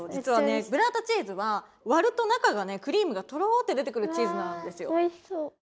ブッラータチーズはわると中がねクリームがとろって出てくるチーズなんですよ。